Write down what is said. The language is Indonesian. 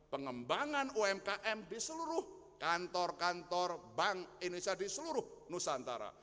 pengembangan umkm di seluruh kantor kantor bank indonesia di seluruh nusantara